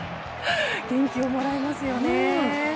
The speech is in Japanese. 元気をもらいますよね。